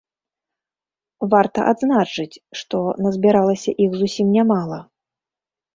Варта адзначыць, што назбіралася іх зусім нямала.